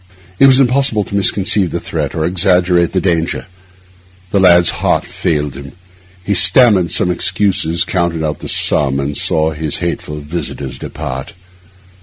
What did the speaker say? It was impossible to misconceive the threat or to exaggerate the danger. The lad's heart failed him. He stammered some excuses, counted out the sum, and saw his hateful visitors depart.